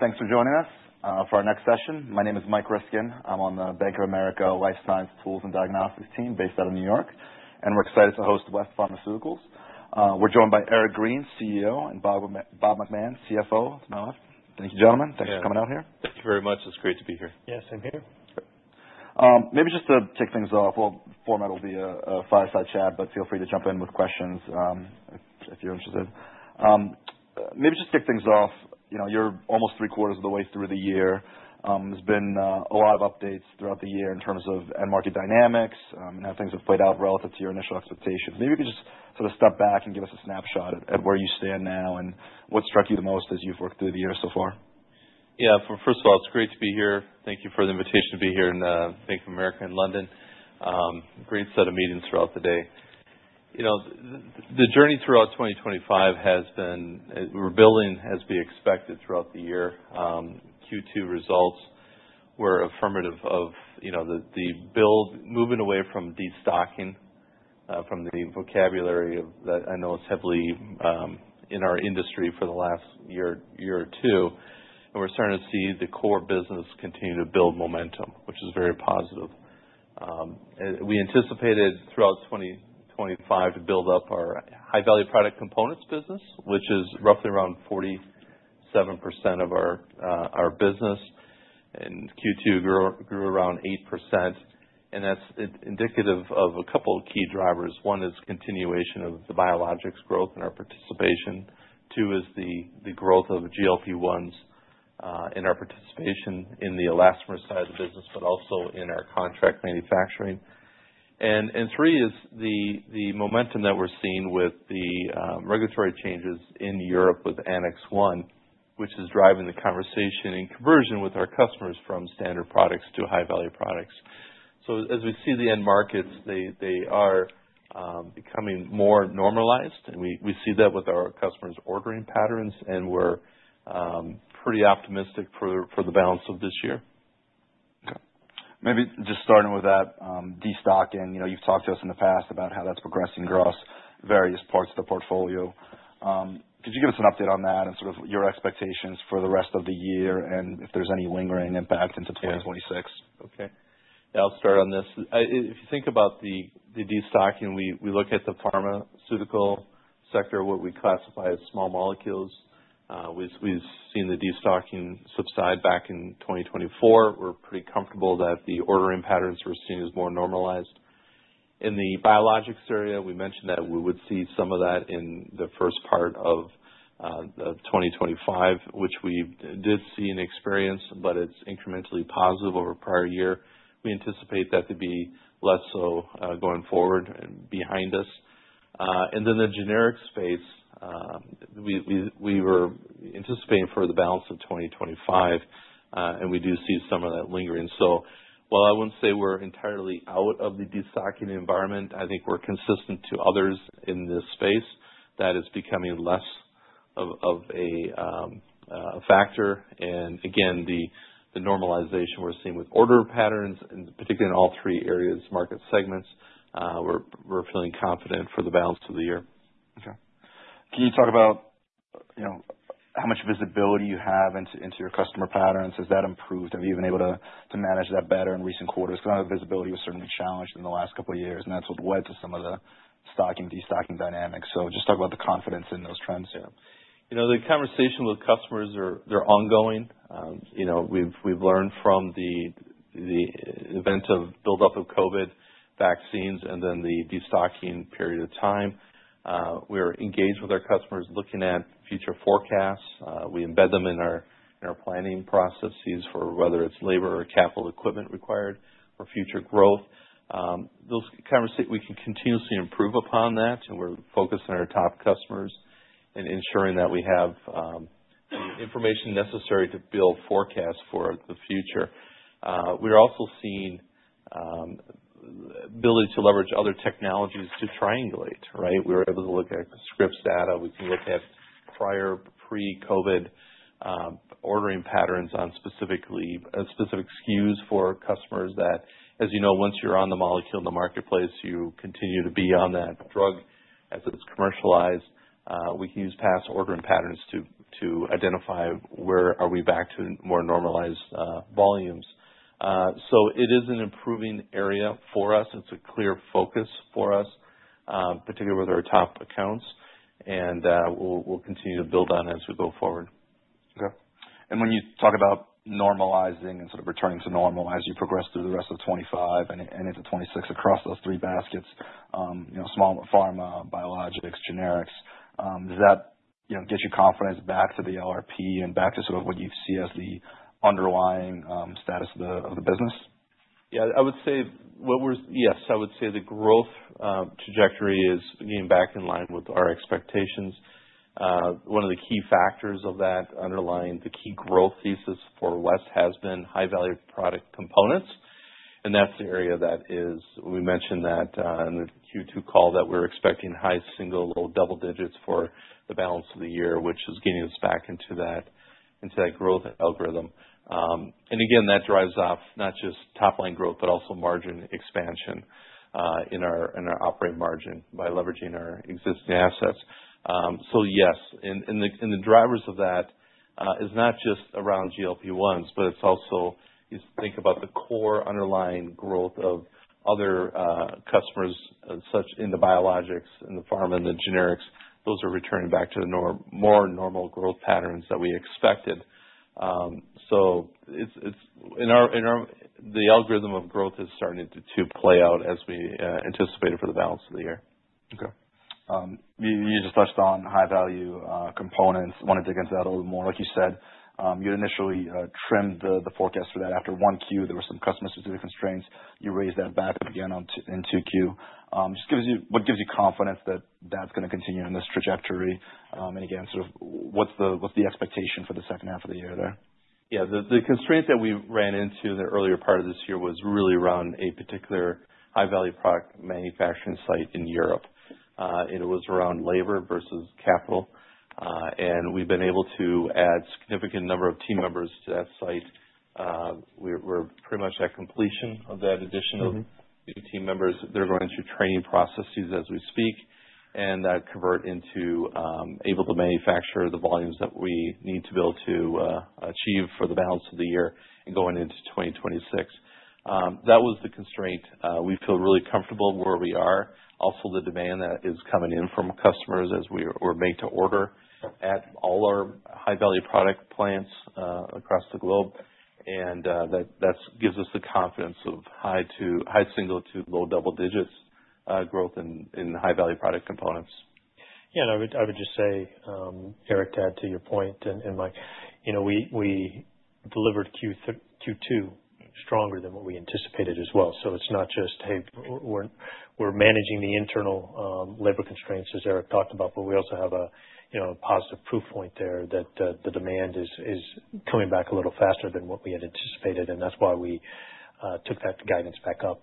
Thanks for joining us for our next session. My name is Mike Ryskin. I'm on the Bank of America Life Science Tools and Diagnostics team based out of New York, and we're excited to host West Pharmaceutical Services. We're joined by Eric Green, CEO, and Bob McMahon, CFO. Thank you, gentlemen. Thanks for coming out here. Thank you very much. It's great to be here. Yes, I'm here. Maybe just to kick things off, the format will be a fireside chat, but feel free to jump in with questions if you're interested. You know, you're almost three quarters of the way through the year. There's been a lot of updates throughout the year in terms of end market dynamics and how things have played out relative to your initial expectations. Maybe you could just sort of step back and give us a snapshot at where you stand now and what struck you the most as you've worked through the year so far. Yeah, first of all, it's great to be here. Thank you for the invitation to be here in Bank of America in London. Great set of meetings throughout the day. You know, the journey throughout 2025 has been we're building as we expected throughout the year. Q2 results were affirmative of, you know, the build moving away from destocking from the vocabulary that I know is heavily in our industry for the last year or two. And we're starting to see the core business continue to build momentum, which is very positive. We anticipated throughout 2025 to build up our High-Value Product components business, which is roughly around 47% of our business. And Q2 grew around 8%. And that's indicative of a couple of key drivers. One is continuation of the biologics growth and our participation. Two is the growth of GLP-1s in our participation in the elastomer side of the business, but also in our contract manufacturing, and three is the momentum that we're seeing with the regulatory changes in Europe with Annex 1, which is driving the conversation and conversion with our customers from standard products to High-Value Products, so as we see the end markets, they are becoming more normalized, and we see that with our customers' ordering patterns, and we're pretty optimistic for the balance of this year. Maybe just starting with that destocking, you know. You've talked to us in the past about how that's progressing across various parts of the portfolio. Could you give us an update on that and sort of your expectations for the rest of the year and if there's any lingering impact into 2026? Okay. I'll start on this. If you think about the destocking, we look at the pharmaceutical sector, what we classify as small molecules. We've seen the destocking subside back in 2024. We're pretty comfortable that the ordering patterns we're seeing is more normalized. In the biologics area, we mentioned that we would see some of that in the first part of 2025, which we did see and experience, but it's incrementally positive over the prior year. We anticipate that to be less so going forward and behind us, and then the generic space, we were anticipating for the balance of 2025, and we do see some of that lingering, so while I wouldn't say we're entirely out of the destocking environment, I think we're consistent to others in this space that it's becoming less of a factor. Again, the normalization we're seeing with order patterns, and particularly in all three areas, market segments, we're feeling confident for the balance of the year. Okay. Can you talk about, you know, how much visibility you have into your customer patterns? Has that improved? Have you been able to manage that better in recent quarters? Because I know visibility was certainly challenged in the last couple of years, and that's what led to some of the stocking and destocking dynamics. So just talk about the confidence in those trends. Yeah. You know, the conversation with customers, they're ongoing. You know, we've learned from the event of buildup of COVID vaccines and then the destocking period of time. We're engaged with our customers looking at future forecasts. We embed them in our planning processes for whether it's labor or capital equipment required for future growth. We can continuously improve upon that. We're focused on our top customers and ensuring that we have the information necessary to build forecasts for the future. We're also seeing the ability to leverage other technologies to triangulate, right? We were able to look at scripts data. We can look at prior pre-COVID ordering patterns on specific SKUs for customers that, as you know, once you're on the molecule in the marketplace, you continue to be on that drug as it's commercialized. We can use past ordering patterns to identify where we are back to more normalized volumes, so it is an improving area for us. It's a clear focus for us, particularly with our top accounts, and we'll continue to build on as we go forward. Okay, and when you talk about normalizing and sort of returning to normal as you progress through the rest of 2025 and into 2026 across those three baskets, you know, small pharma, biologics, generics, does that, you know, get you confidence back to the LRP and back to sort of what you see as the underlying status of the business? Yeah, I would say, yes, I would say the growth trajectory is getting back in line with our expectations. One of the key factors of that underlying the key growth thesis for West has been High-Value Product components. And that's the area that is, we mentioned that in the Q2 call that we're expecting high single or double digits for the balance of the year, which is getting us back into that growth algorithm. And again, that drives off not just top line growth, but also margin expansion in our operating margin by leveraging our existing assets. So yes, and the drivers of that is not just around GLP-1s, but it's also, you think about the core underlying growth of other customers such in the biologics and the pharma and the generics. Those are returning back to the more normal growth patterns that we expected. The algorithm of growth is starting to play out as we anticipated for the balance of the year. Okay. You just touched on high value components. I want to dig into that a little more. Like you said, you initially trimmed the forecast for that. After 1Q, there were some customer specific constraints. You raised that back up again in Q2. Just gives you, what gives you confidence that that's going to continue on this trajectory? And again, sort of what's the expectation for the second half of the year there? Yeah, the constraint that we ran into the earlier part of this year was really around a particular High-Value Product manufacturing site in Europe. And it was around labor versus capital. And we've been able to add a significant number of team members to that site. We're pretty much at completion of that addition of new team members. They're going through training processes as we speak. And that convert into able to manufacture the volumes that we need to be able to achieve for the balance of the year and going into 2026. That was the constraint. We feel really comfortable where we are. Also the demand that is coming in from customers as we were made to order at all our High-Value Product plants across the globe. That gives us the confidence of high to high single to low double digits growth in High-Value Product components. Yeah, and I would just say, Eric, to add to your point and Mike, you know, we delivered Q2 stronger than what we anticipated as well. So it's not just, hey, we're managing the internal labor constraints as Eric talked about, but we also have a, you know, positive proof point there that the demand is coming back a little faster than what we had anticipated. And that's why we took that guidance back up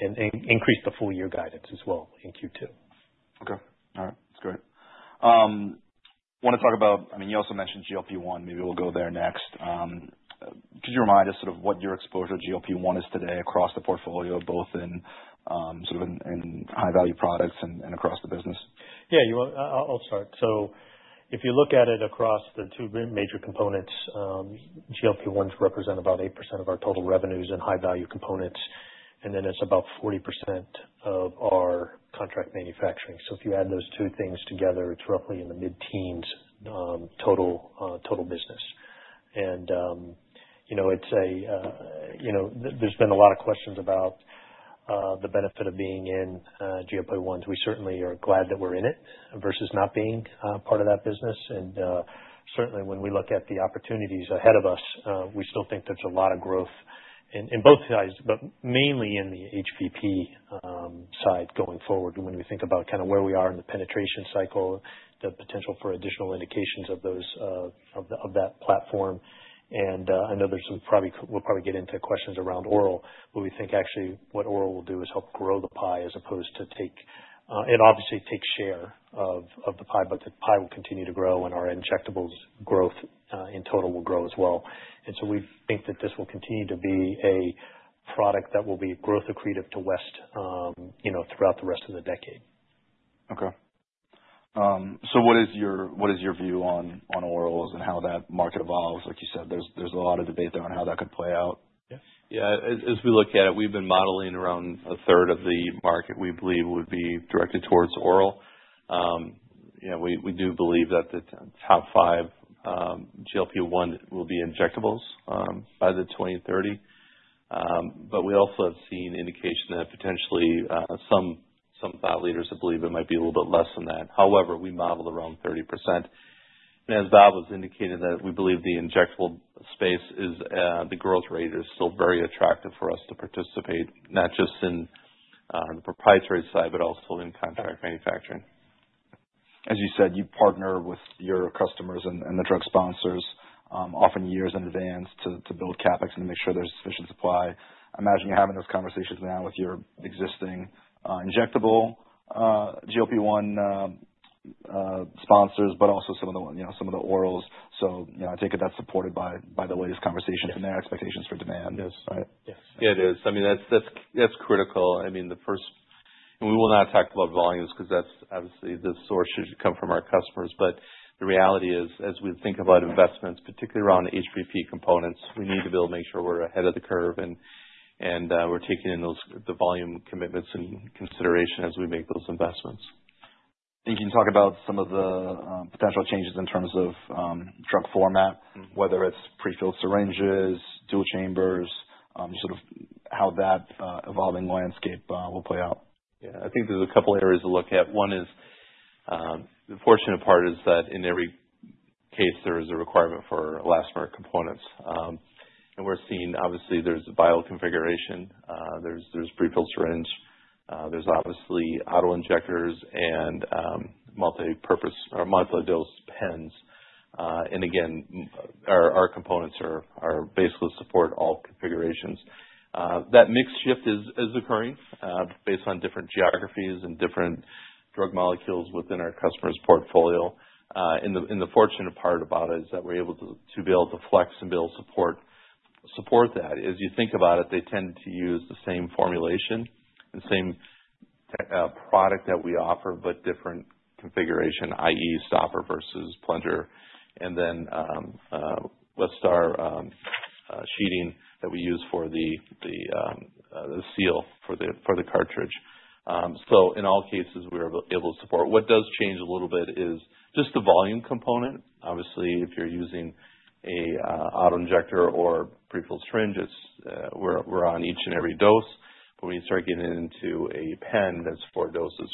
and increased the full year guidance as well in Q2. Okay. All right. That's great. I want to talk about, I mean, you also mentioned GLP-1. Maybe we'll go there next. Could you remind us sort of what your exposure to GLP-1 is today across the portfolio, both in sort of in High-Value Products and across the business? Yeah, I'll start. So if you look at it across the two major components, GLP-1s represent about 8% of our total revenues in high value components. And then it's about 40% of our contract manufacturing. So if you add those two things together, it's roughly in the mid-teens total business. And, you know, it's a, you know, there's been a lot of questions about the benefit of being in GLP-1s. We certainly are glad that we're in it versus not being part of that business. And certainly when we look at the opportunities ahead of us, we still think there's a lot of growth in both sides, but mainly in the HVP side going forward. When we think about kind of where we are in the penetration cycle, the potential for additional indications of those, of that platform. I know there's some probably, we'll probably get into questions around oral, but we think actually what oral will do is help grow the pie as opposed to take, and obviously take share of the pie, but the pie will continue to grow and our injectables growth in total will grow as well. So we think that this will continue to be a product that will be growth accretive to West, you know, throughout the rest of the decade. Okay, so what is your view on orals and how that market evolves? Like you said, there's a lot of debate there on how that could play out. Yeah, as we look at it, we've been modeling around a third of the market we believe would be directed towards oral. You know, we do believe that the top five GLP-1 will be injectables by 2030. But we also have seen indication that potentially some thought leaders believe it might be a little bit less than that. However, we modeled around 30%. And as Bob was indicating that we believe the injectable space, the growth rate is still very attractive for us to participate, not just in the proprietary side, but also in contract manufacturing. As you said, you partner with your customers and the drug sponsors often years in advance to build CapEx and to make sure there's sufficient supply. I imagine you're having those conversations now with your existing injectable GLP-1 sponsors, but also some of the, you know, some of the orals. So, you know, I take it that's supported by the latest conversations and their expectations for demand. Yes. Yeah, it is. I mean, that's critical. I mean, the first, and we will not talk about volumes because that's obviously the source should come from our customers. But the reality is, as we think about investments, particularly around HVP components, we need to be able to make sure we're ahead of the curve and we're taking in those volume commitments and consideration as we make those investments. And can you talk about some of the potential changes in terms of drug format, whether it's prefilled syringes, dual chambers, sort of how that evolving landscape will play out? Yeah, I think there's a couple of areas to look at. One is the fortunate part is that in every case, there is a requirement for elastomer components, and we're seeing, obviously, there's biologics configuration. There's prefilled syringe. There's obviously auto-injectors and multipurpose or multiple dose pens, and again, our components are basically support all configurations. That mix shift is occurring based on different geographies and different drug molecules within our customer's portfolio, and the fortunate part about it is that we're able to be able to support that. As you think about it, they tend to use the same formulation and same product that we offer, but different configuration, i.e. stopper versus plunger, and then Westar sheeting that we use for the seal for the cartridge, so in all cases, we're able to support. What does change a little bit is just the volume component. Obviously, if you're using an auto-injector or prefilled syringe, we're on each and every dose, but when you start getting into a pen, that's four doses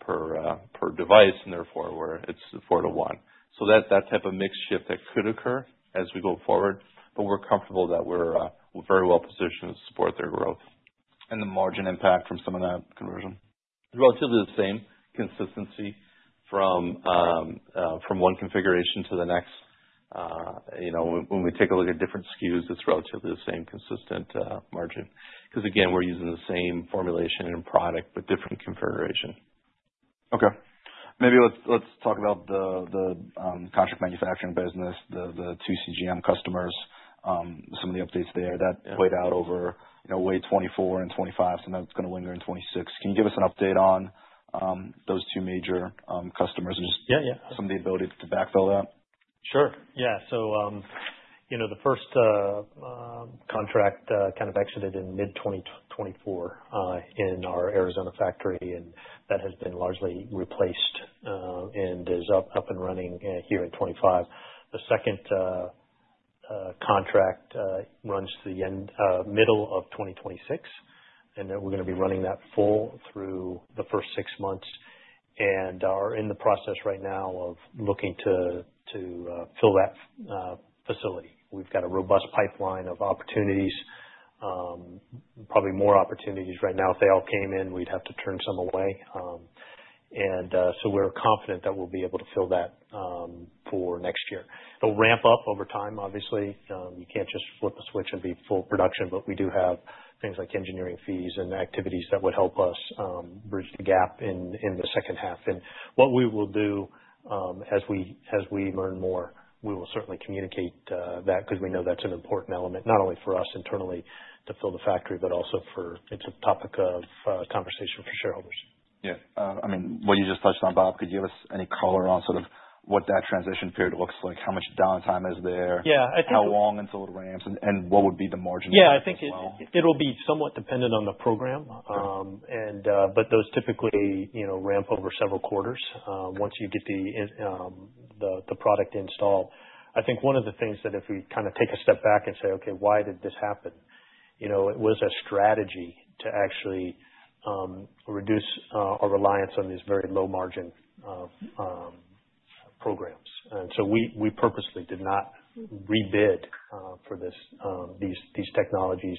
per device, and therefore, it's four to one, so that type of mix shift that could occur as we go forward, but we're comfortable that we're very well positioned to support their growth. The margin impact from some of that conversion? Relatively the same consistency from one configuration to the next. You know, when we take a look at different SKUs, it's relatively the same consistent margin. Because again, we're using the same formulation and product, but different configuration. Okay. Maybe let's talk about the contract manufacturing business, the two CGM customers, some of the updates there that played out over, you know, way 2024 and 2025, some of that's going to linger in 2026. Can you give us an update on those two major customers and just some of the ability to backfill that? Sure. Yeah. So, you know, the first contract kind of exited in mid-2024 in our Arizona factory, and that has been largely replaced and is up and running here in 2025. The second contract runs to the middle of 2026, and we're going to be running that full through the first six months, and are in the process right now of looking to fill that facility. We've got a robust pipeline of opportunities, probably more opportunities right now. If they all came in, we'd have to turn some away, and so we're confident that we'll be able to fill that for next year. It'll ramp up over time, obviously. You can't just flip a switch and be full production, but we do have things like engineering fees and activities that would help us bridge the gap in the second half. What we will do as we learn more, we will certainly communicate that because we know that's an important element, not only for us internally to fill the factory, but also, for it's a topic of conversation for shareholders. Yeah. I mean, what you just touched on, Bob, could you give us any color on sort of what that transition period looks like? How much downtime is there? How long until it ramps? And what would be the margin? Yeah, I think it'll be somewhat dependent on the program. Those typically, you know, ramp over several quarters once you get the product installed. I think one of the things that if we kind of take a step back and say, okay, why did this happen? You know, it was a strategy to actually reduce our reliance on these very low margin programs. We purposely did not rebid for these technologies.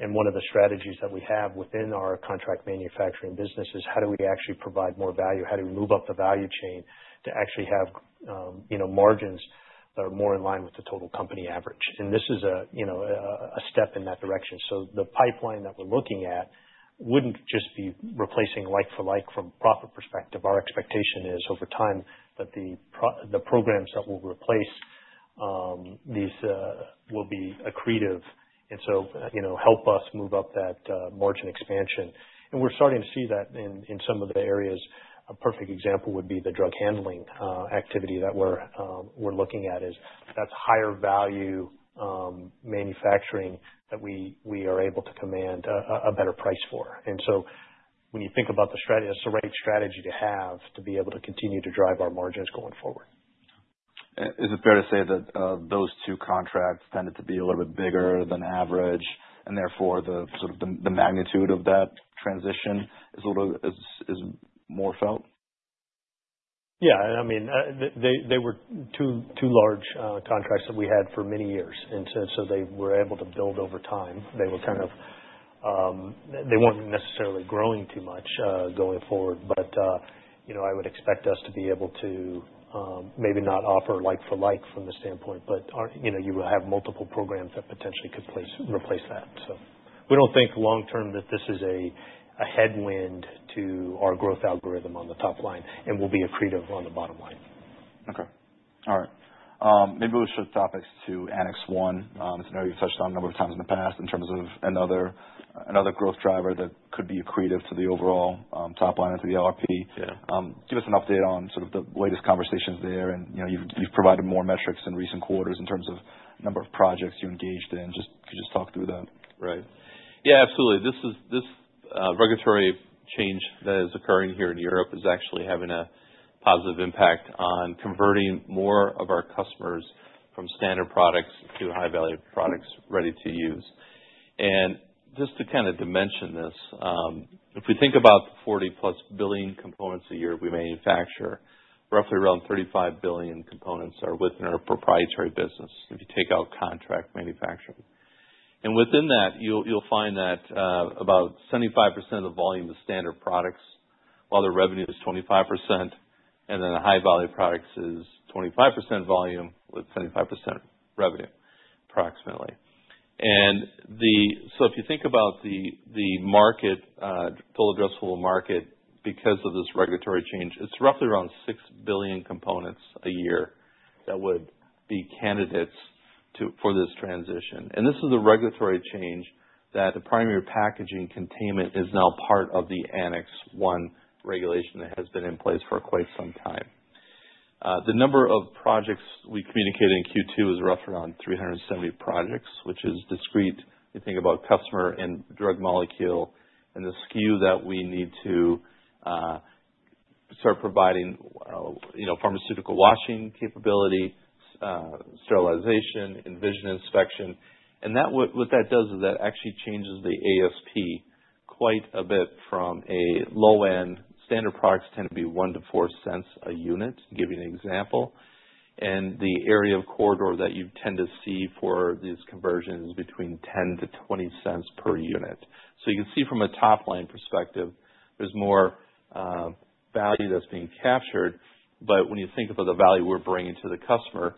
One of the strategies that we have within our contract manufacturing business is how do we actually provide more value? How do we move up the value chain to actually have, you know, margins that are more in line with the total company average? This is a, you know, a step in that direction. The pipeline that we're looking at wouldn't just be replacing like for like from a profit perspective. Our expectation is over time that the programs that will replace these will be accretive. And so, you know, help us move up that margin expansion. And we're starting to see that in some of the areas. A perfect example would be the drug handling activity that we're looking at. That's higher value manufacturing that we are able to command a better price for. And so when you think about the strategy, it's the right strategy to have to be able to continue to drive our margins going forward. Is it fair to say that those two contracts tended to be a little bit bigger than average? And therefore, the sort of magnitude of that transition is a little bit more felt? Yeah. I mean, they were two large contracts that we had for many years, and so they were able to build over time. They were kind of, they weren't necessarily growing too much going forward, but, you know, I would expect us to be able to maybe not offer like for like from the standpoint, but, you know, you will have multiple programs that potentially could replace that, so we don't think long term that this is a headwind to our growth algorithm on the top line and will be accretive on the bottom line. Okay. All right. Maybe we'll shift topics to Annex 1. I know you've touched on a number of times in the past in terms of another growth driver that could be accretive to the overall top line or to the LRP. Give us an update on sort of the latest conversations there. And, you know, you've provided more metrics in recent quarters in terms of number of projects you engaged in. Just could you just talk through that? Right. Yeah, absolutely. This regulatory change that is occurring here in Europe is actually having a positive impact on converting more of our customers from standard products to High-Value Products ready to use. And just to kind of dimension this, if we think about 40+ billion components a year we manufacture, roughly around 35 billion components are within our proprietary business if you take out contract manufacturing. And within that, you'll find that about 75% of the volume is standard products, while the revenue is 25%. And then the High-Value Products is 25% volume with 75% revenue, approximately. And so if you think about the market, full addressable market, because of this regulatory change, it's roughly around 6 billion components a year that would be candidates for this transition. This is a regulatory change that the primary packaging containment is now part of the Annex 1 regulation that has been in place for quite some time. The number of projects we communicated in Q2 is roughly around 370 projects, which is discrete. You think about customer and drug molecule and the SKU that we need to start providing, you know, pharmaceutical washing capability, sterilization, vision inspection. That, what that does is that actually changes the ASP quite a bit from a low end. Standard products tend to be $0.01-$0.04 a unit, giving an example. The area of corridor that you tend to see for these conversions is between $0.10-$0.20 per unit. You can see from a top line perspective, there's more value that's being captured. But when you think about the value we're bringing to the customer,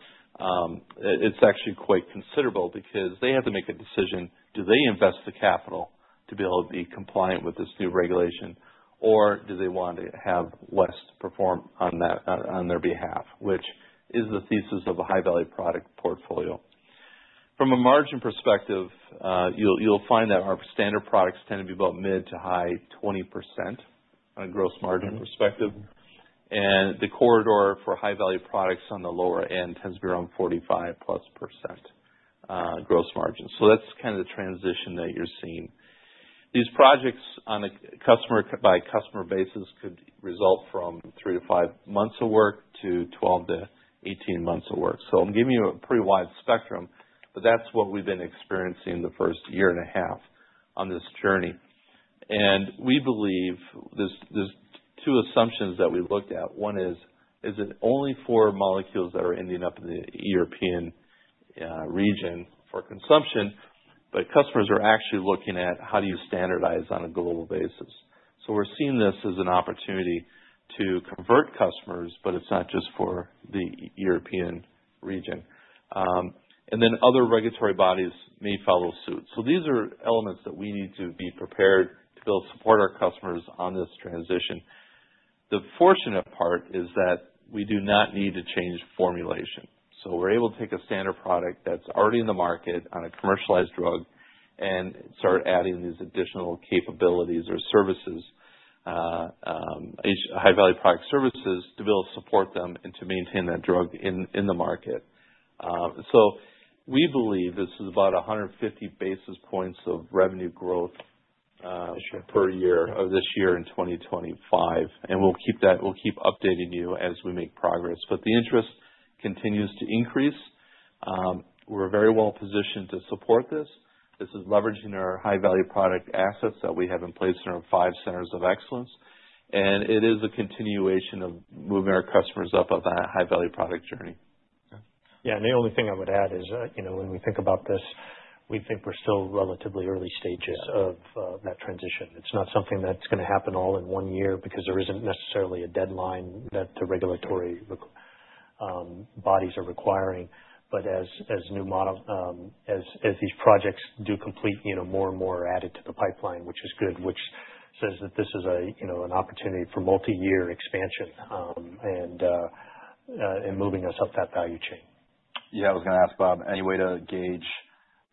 it's actually quite considerable because they have to make a decision. Do they invest the capital to be able to be compliant with this new regulation? Or do they want to have West perform on their behalf, which is the thesis of a High-Value Product portfolio. From a margin perspective, you'll find that our standard products tend to be about mid to high 20% on a gross margin perspective. And the corridor for High-Value Products on the lower end tends to be around 45%+ gross margin. So that's kind of the transition that you're seeing. These projects on a customer by customer basis could result from three to five months of work to 12 to 18 months of work. I'm giving you a pretty wide spectrum, but that's what we've been experiencing the first year and a half on this journey. We believe there's two assumptions that we looked at. One is, is it only for molecules that are ending up in the European region for consumption? Customers are actually looking at how do you standardize on a global basis. We're seeing this as an opportunity to convert customers, but it's not just for the European region. Other regulatory bodies may follow suit. These are elements that we need to be prepared to build to support our customers on this transition. The fortunate part is that we do not need to change formulation. We're able to take a standard product that's already in the market on a commercialized drug and start adding these additional capabilities or services, High-Value Product services to build support them and to maintain that drug in the market. We believe this is about 150 basis points of revenue growth per year of this year in 2025. We'll keep that, we'll keep updating you as we make progress. The interest continues to increase. We're very well positioned to support this. This is leveraging our High-Value Product assets that we have in place in our five Centers of Excellence. It is a continuation of moving our customers up on that High-Value Product journey. Yeah. And the only thing I would add is, you know, when we think about this, we think we're still relatively early stages of that transition. It's not something that's going to happen all in one year because there isn't necessarily a deadline that the regulatory bodies are requiring. But as new model, as these projects do complete, you know, more and more are added to the pipeline, which is good, which says that this is a, you know, an opportunity for multi-year expansion and moving us up that value chain. Yeah, I was going to ask, Bob, any way to gauge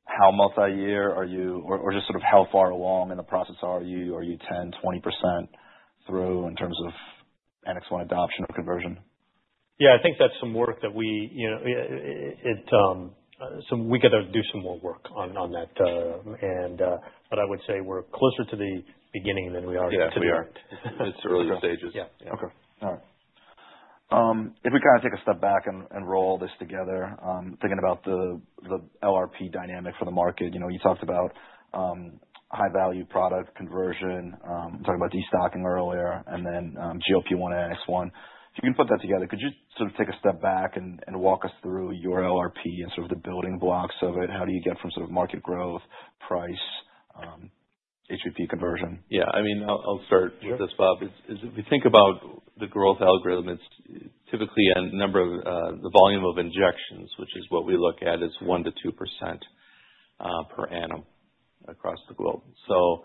how multi-year are you or just sort of how far along in the process are you? Are you 10%, 20% through in terms of Annex 1 adoption or conversion? Yeah, I think that's some work that we, you know, we got to do some more work on that, and but I would say we're closer to the beginning than we are to the end. Yeah, we are. It's early stages. Yeah. Okay. All right. If we kind of take a step back and roll all this together, thinking about the LRP dynamic for the market, you know, you talked about High-Value Product conversion. We talked about destocking earlier and then GLP-1 and Annex 1. If you can put that together, could you sort of take a step back and walk us through your LRP and sort of the building blocks of it? How do you get from sort of market growth, price, HVP conversion? Yeah. I mean, I'll start with this, Bob. If we think about the growth algorithm, it's typically a number of the volume of injections, which is what we look at is 1%-2% per annum across the globe. So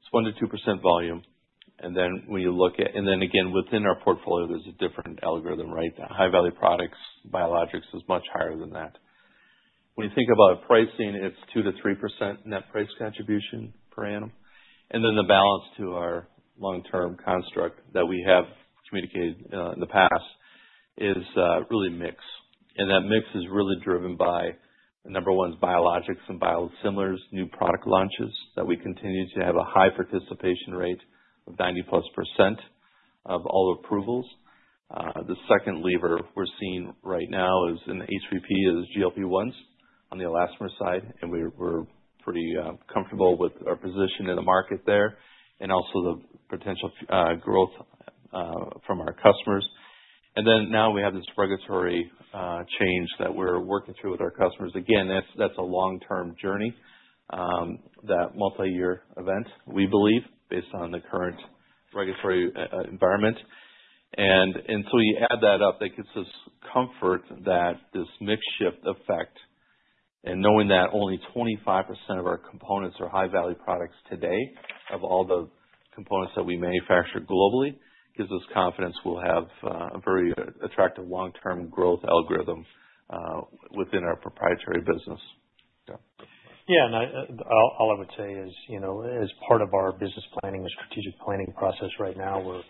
it's 1%-2% volume. And then when you look at, and then again, within our portfolio, there's a different algorithm, right? High-Value Products, biologics is much higher than that. When you think about pricing, it's 2%-3% net price contribution per annum. And then the balance to our long term construct that we have communicated in the past is really mix. And that mix is really driven by, number one is biologics and biosimilars, new product launches that we continue to have a high participation rate of 90%+ of all approvals. The second lever we're seeing right now is in the HVP: GLP-1s on the elastomer side. And we're pretty comfortable with our position in the market there and also the potential growth from our customers. And then now we have this regulatory change that we're working through with our customers. Again, that's a long term journey, that multi-year event, we believe, based on the current regulatory environment. And until you add that up, that gives us comfort that this mix shift effect and knowing that only 25% of our components are High-Value Products today of all the components that we manufacture globally gives us confidence we'll have a very attractive long term growth algorithm within our proprietary business. Yeah. And all I would say is, you know, as part of our business planning, our strategic planning process right now, we're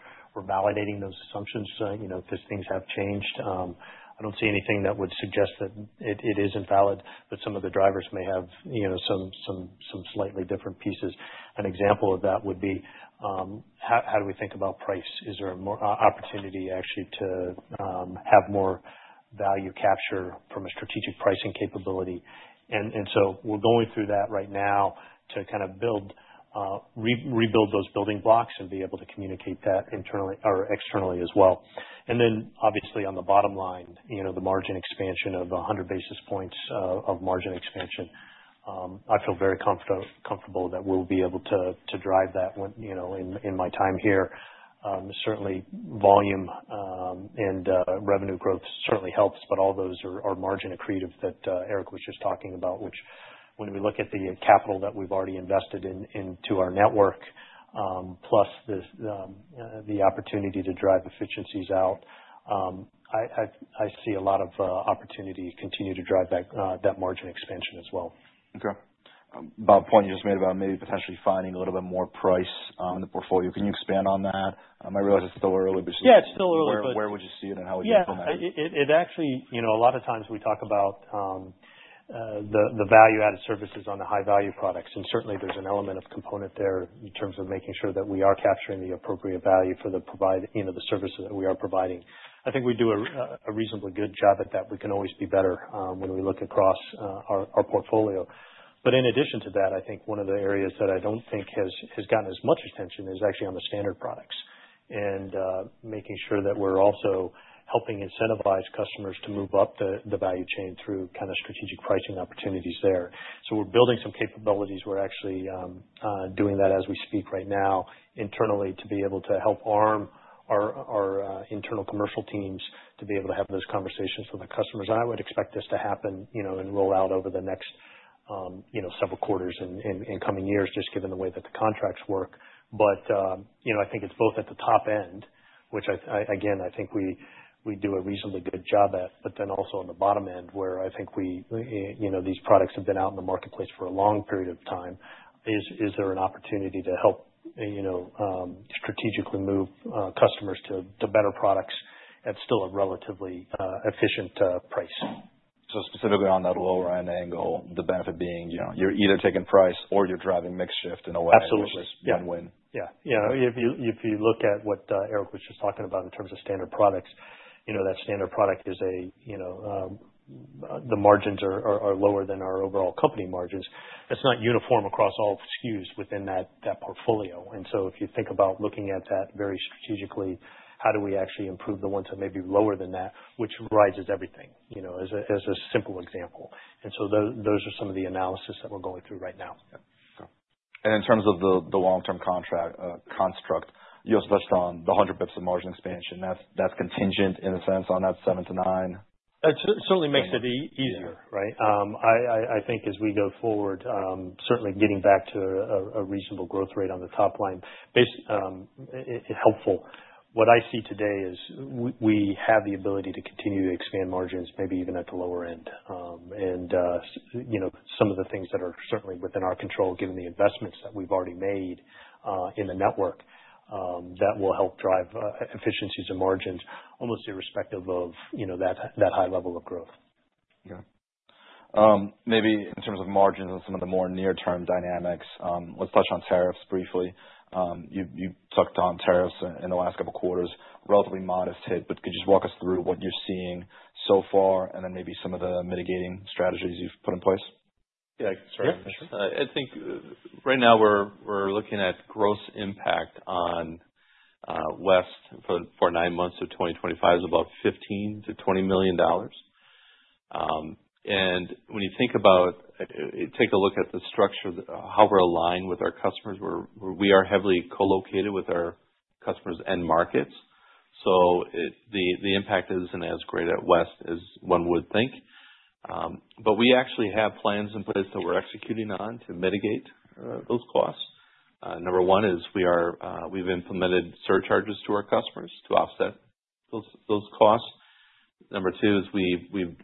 validating those assumptions, you know, because things have changed. I don't see anything that would suggest that it isn't valid, but some of the drivers may have, you know, some slightly different pieces. An example of that would be how do we think about price? Is there an opportunity actually to have more value capture from a strategic pricing capability? And so we're going through that right now to kind of rebuild those building blocks and be able to communicate that internally or externally as well. And then obviously on the bottom line, you know, the margin expansion of 100 basis points of margin expansion. I feel very comfortable that we'll be able to drive that, you know, in my time here. Certainly volume and revenue growth certainly helps, but all those are margin accretive that Eric was just talking about, which when we look at the capital that we've already invested into our network, plus the opportunity to drive efficiencies out, I see a lot of opportunity to continue to drive that margin expansion as well. Okay. Bob, point you just made about maybe potentially finding a little bit more price in the portfolio. Can you expand on that? I realize it's still early, but. Yeah, it's still early, but. Where would you see it and how would you expand that? Yeah. It actually, you know, a lot of times we talk about the value added services on the High-Value Products. And certainly there's an element of component there in terms of making sure that we are capturing the appropriate value for the, you know, the services that we are providing. I think we do a reasonably good job at that. We can always be better when we look across our portfolio. But in addition to that, I think one of the areas that I don't think has gotten as much attention is actually on the standard products and making sure that we're also helping incentivize customers to move up the value chain through kind of strategic pricing opportunities there. So we're building some capabilities. We're actually doing that as we speak right now internally to be able to help arm our internal commercial teams to be able to have those conversations with our customers. And I would expect this to happen, you know, and roll out over the next, you know, several quarters and coming years, just given the way that the contracts work. But, you know, I think it's both at the top end, which again, I think we do a reasonably good job at, but then also on the bottom end where I think we, you know, these products have been out in the marketplace for a long period of time. Is there an opportunity to help, you know, strategically move customers to better products at still a relatively efficient price? Specifically on that lower end angle, the benefit being, you know, you're either taking price or you're driving mix shift in a way. Absolutely. Yeah. Yeah. You know, if you look at what Eric was just talking about in terms of standard products, you know, that standard product is a, you know, the margins are lower than our overall company margins. It's not uniform across all SKUs within that portfolio. And so if you think about looking at that very strategically, how do we actually improve the ones that may be lower than that, which rises everything, you know, as a simple example. And so those are some of the analysis that we're going through right now. In terms of the long term contract construct, you also touched on the 100 basis points of margin expansion. That's contingent in a sense on that seven to nine? It certainly makes it easier, right? I think as we go forward, certainly getting back to a reasonable growth rate on the top line, it's helpful. What I see today is we have the ability to continue to expand margins, maybe even at the lower end. And, you know, some of the things that are certainly within our control, given the investments that we've already made in the network, that will help drive efficiencies and margins almost irrespective of, you know, that high level of growth. Okay. Maybe in terms of margins and some of the more near term dynamics, let's touch on tariffs briefly. You touched on tariffs in the last couple of quarters, relatively modest hit, but could you just walk us through what you're seeing so far and then maybe some of the mitigating strategies you've put in place? Yeah, sure. I think right now we're looking at gross impact on West for nine months of 2025 is about $15 million-$20 million. When you think about, take a look at the structure, how we're aligned with our customers, we are heavily co-located with our customers and markets. So the impact isn't as great at West as one would think, but we actually have plans in place that we're executing on to mitigate those costs. Number one is we've implemented surcharges to our customers to offset those costs. Number two is we've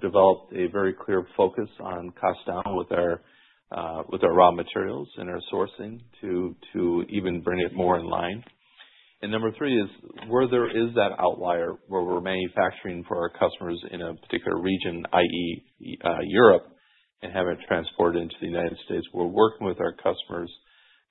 developed a very clear focus on cost down with our raw materials and our sourcing to even bring it more in line, and number three is where there is that outlier where we're manufacturing for our customers in a particular region, i.e. Europe and have it transported into the United States. We're working with our customers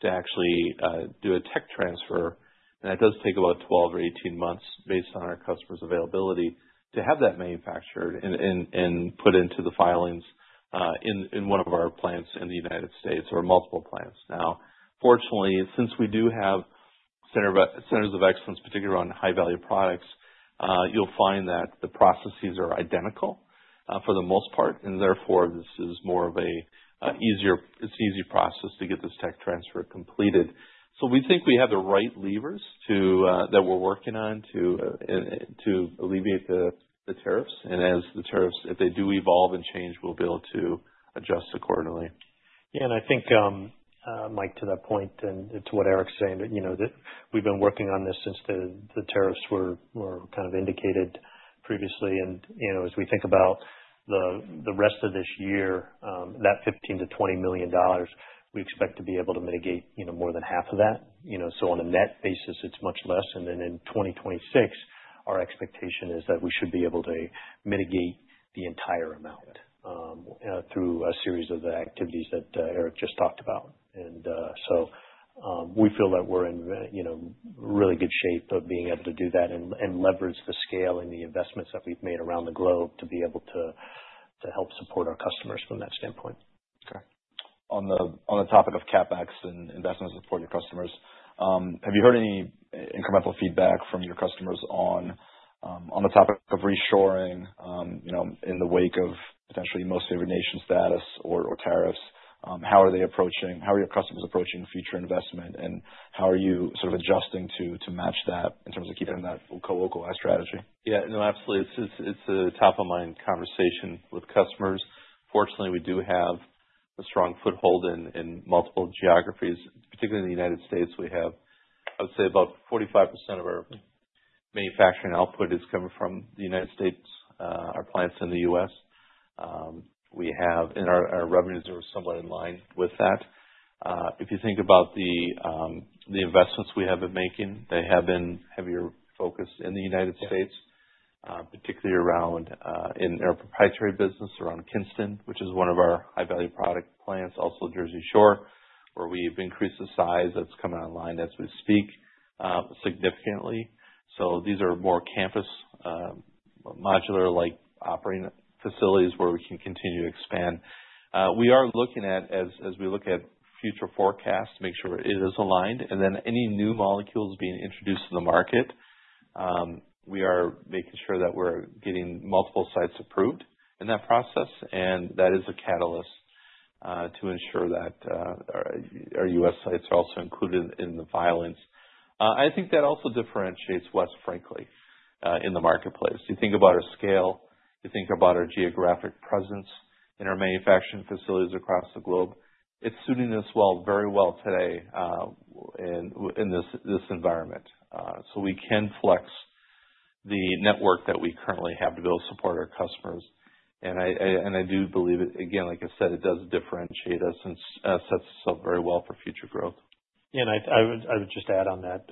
to actually do a tech transfer, and that does take about 12 or 18 months based on our customers' availability to have that manufactured and put into the filings in one of our plants in the United States or multiple plants. Now, fortunately, since we do have Centers of Excellence, particularly on High-Value Products, you'll find that the processes are identical for the most part, and therefore, this is more of an easier, it's an easy process to get this tech transfer completed, so we think we have the right levers that we're working on to alleviate the tariffs, and as the tariffs, if they do evolve and change, we'll be able to adjust accordingly. Yeah. And I think, Mike, to that point and to what Eric's saying, you know, that we've been working on this since the tariffs were kind of indicated previously. And, you know, as we think about the rest of this year, that $15 million-$20 million, we expect to be able to mitigate, you know, more than half of that. You know, so on a net basis, it's much less. And then in 2026, our expectation is that we should be able to mitigate the entire amount through a series of the activities that Eric just talked about. And so we feel that we're in, you know, really good shape of being able to do that and leverage the scale and the investments that we've made around the globe to be able to help support our customers from that standpoint. Okay. On the topic of CapEx and investments to support your customers, have you heard any incremental feedback from your customers on the topic of reshoring, you know, in the wake of potentially Most Favored Nation status or tariffs? How are they approaching, how are your customers approaching future investment, and how are you sort of adjusting to match that in terms of keeping that co-localized strategy? Yeah, no, absolutely. It's a top of mind conversation with customers. Fortunately, we do have a strong foothold in multiple geographies. Particularly in the United States, we have, I would say, about 45% of our manufacturing output is coming from the United States, our plants in the U.S.. We have in our revenues, they were somewhat in line with that. If you think about the investments we have been making, they have been heavier focused in the United States, particularly around in our proprietary business around Kinston, which is one of our High-Value Product plants, also Jersey Shore, where we've increased the size that's coming online as we speak significantly. So these are more campus modular like operating facilities where we can continue to expand. We are looking at, as we look at future forecasts, make sure it is aligned. And then any new molecules being introduced in the market, we are making sure that we're getting multiple sites approved in that process. And that is a catalyst to ensure that our U.S. sites are also included in the filings. I think that also differentiates West, frankly, in the marketplace. You think about our scale, you think about our geographic presence in our manufacturing facilities across the globe. It's suiting us well very well today in this environment. So we can flex the network that we currently have to be able to support our customers. And I do believe, again, like I said, it does differentiate us and sets us up very well for future growth. I would just add on that,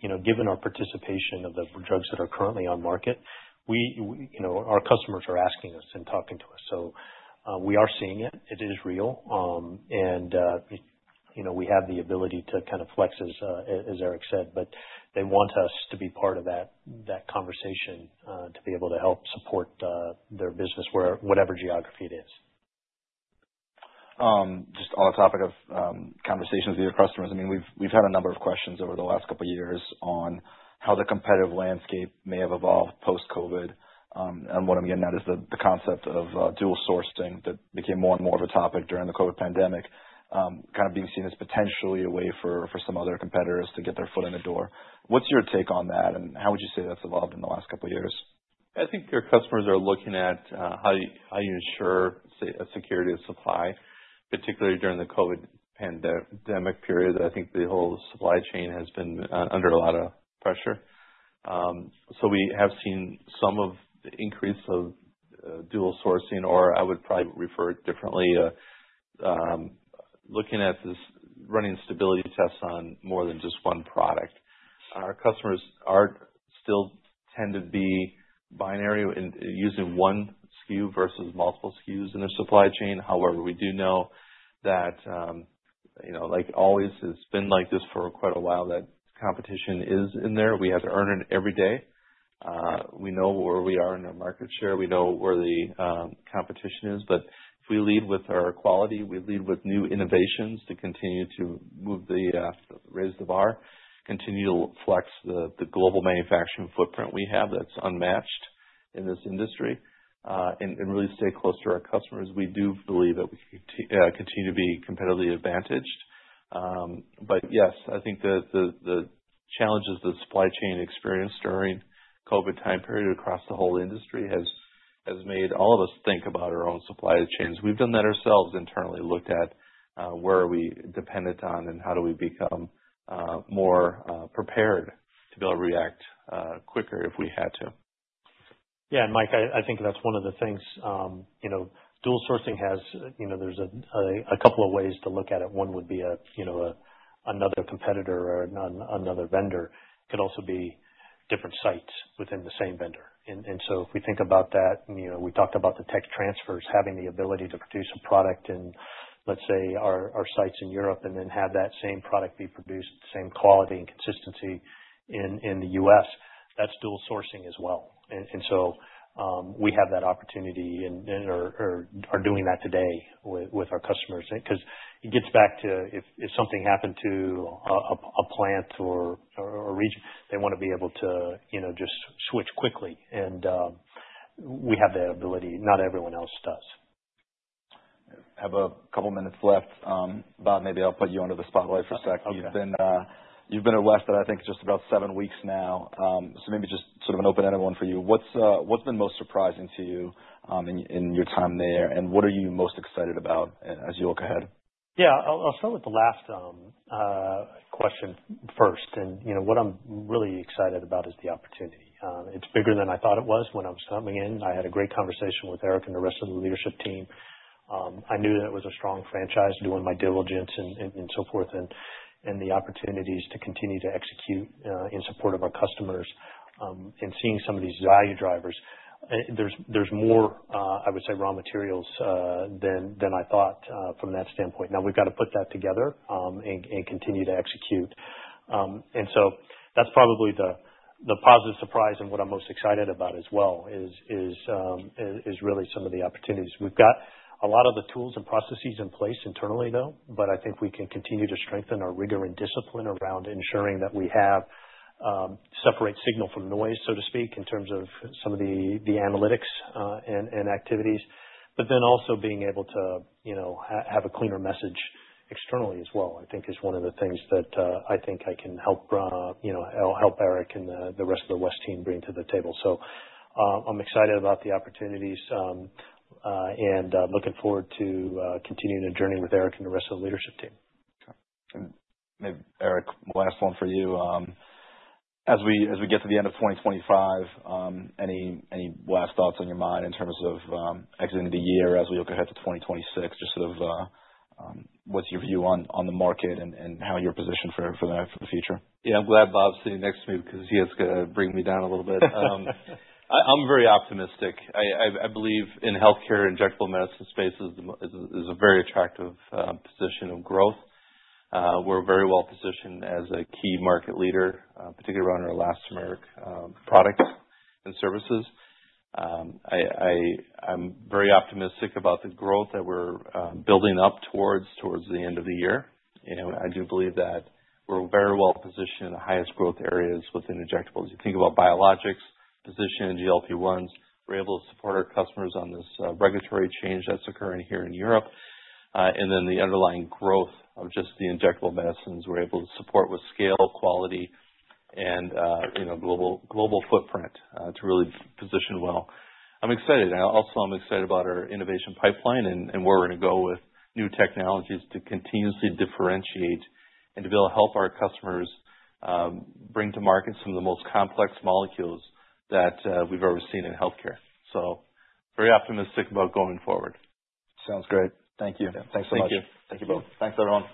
you know, given our participation of the drugs that are currently on market, we, you know, our customers are asking us and talking to us. So we are seeing it. It is real. And, you know, we have the ability to kind of flex, as Eric said, but they want us to be part of that conversation to be able to help support their business, whatever geography it is. Just on the topic of conversations with your customers, I mean, we've had a number of questions over the last couple of years on how the competitive landscape may have evolved post-COVID. What I'm getting at is the concept of dual sourcing that became more and more of a topic during the COVID pandemic, kind of being seen as potentially a way for some other competitors to get their foot in the door. What's your take on that and how would you say that's evolved in the last couple of years? I think your customers are looking at how you ensure security of supply, particularly during the COVID pandemic period. I think the whole supply chain has been under a lot of pressure. So we have seen some of the increase of dual sourcing, or I would probably refer it differently, looking at this running stability tests on more than just one product. Our customers still tend to be binary and using one SKU versus multiple SKUs in their supply chain. However, we do know that, you know, like always, it's been like this for quite a while that competition is in there. We have to earn it every day. We know where we are in our market share. We know where the competition is. But if we lead with our quality, we lead with new innovations to continue to raise the bar, continue to flex the global manufacturing footprint we have that's unmatched in this industry and really stay close to our customers. We do believe that we continue to be competitively advantaged. But yes, I think the challenges the supply chain experienced during the COVID time period across the whole industry has made all of us think about our own supply chains. We've done that ourselves internally, looked at where are we dependent on and how do we become more prepared to be able to react quicker if we had to. Yeah. And Mike, I think that's one of the things, you know, dual sourcing has, you know, there's a couple of ways to look at it. One would be a, you know, another competitor or another vendor. It could also be different sites within the same vendor. And so if we think about that, you know, we talked about the tech transfers, having the ability to produce a product in, let's say, our sites in Europe and then have that same product be produced, same quality and consistency in the U.S., that's dual sourcing as well. And so we have that opportunity and are doing that today with our customers. Because it gets back to if something happened to a plant or region, they want to be able to, you know, just switch quickly. And we have that ability. Not everyone else does. I have a couple of minutes left, Bob. Maybe I'll put you under the spotlight for a sec. You've been at West, I think, just about seven weeks now. So maybe just sort of an open-ended one for you. What's been most surprising to you in your time there? And what are you most excited about as you look ahead? Yeah. I'll start with the last question first. And, you know, what I'm really excited about is the opportunity. It's bigger than I thought it was when I was coming in. I had a great conversation with Eric and the rest of the leadership team. I knew that it was a strong franchise doing my diligence and so forth and the opportunities to continue to execute in support of our customers and seeing some of these value drivers. There's more, I would say, raw materials than I thought from that standpoint. Now we've got to put that together and continue to execute. And so that's probably the positive surprise and what I'm most excited about as well is really some of the opportunities. We've got a lot of the tools and processes in place internally, though. But I think we can continue to strengthen our rigor and discipline around ensuring that we have separate signal from noise, so to speak, in terms of some of the analytics and activities. But then also being able to, you know, have a cleaner message externally as well, I think is one of the things that I think I can help, you know, help Eric and the rest of the West team bring to the table. So I'm excited about the opportunities and looking forward to continuing the journey with Eric and the rest of the leadership team. Okay. And maybe Eric, last one for you. As we get to the end of 2025, any last thoughts on your mind in terms of exiting the year as we look ahead to 2026? Just sort of what's your view on the market and how you're positioned for the future? Yeah, I'm glad Bob's sitting next to me because he has to bring me down a little bit. I'm very optimistic. I believe in healthcare and injectable medicine spaces is a very attractive position of growth. We're very well positioned as a key market leader, particularly around our HVP products and services. I'm very optimistic about the growth that we're building up towards the end of the year. And I do believe that we're very well positioned in the highest growth areas within injectables. You think about biologics position and GLP-1s, we're able to support our customers on this regulatory change that's occurring here in Europe. And then the underlying growth of just the injectable medicines, we're able to support with scale, quality, and, you know, global footprint to really position well. I'm excited. I also am excited about our innovation pipeline and where we're going to go with new technologies to continuously differentiate and to be able to help our customers bring to market some of the most complex molecules that we've ever seen in healthcare. So very optimistic about going forward. Sounds great. Thank you. Thanks so much. Thank you. Thank you, Bob. Thanks, everyone.